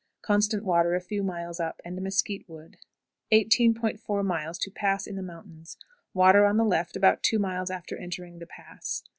Constant water a few miles up, and mesquite wood. 18.40. Pass in the Mountains. Water on the left about two miles after entering the Pass.